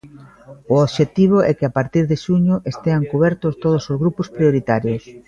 O obxectivo é que a partir de xuño estean cubertos todos os grupos prioritarios.